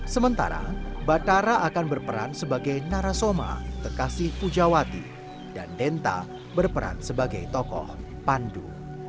sementara batara akan berperan sebagai narasoma kekasih pujawati dan denta berperan sebagai tokoh pandu